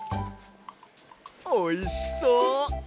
おいしそう！